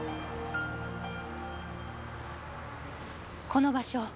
この場所？